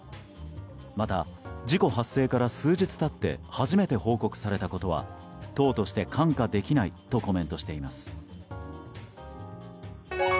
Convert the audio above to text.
また、事故発生から数日経って初めて報告されたことは党として看過できないとコメントしています。